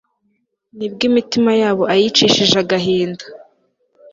ni bwo imitima yabo ayicishije agahinda